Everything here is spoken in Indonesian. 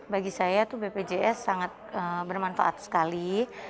bagi saya itu bpjs sangat bermanfaat sekali